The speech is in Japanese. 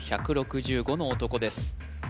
ＩＱ１６５の男です